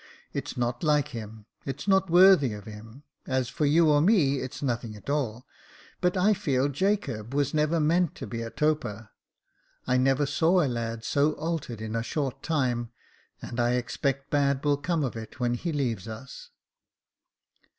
*' It's not like him — it's not worthy of him ; as for you or me, it's nothing at all ; but I feel Jacob was never meant to be a toper. I never saw a lad so altered in a short time, and I expect bad will come of it, when he leaves us."